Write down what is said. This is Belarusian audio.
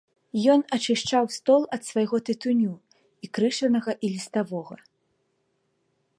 Ён ачышчаў стол ад свайго тытуню, і крышанага, і ліставога.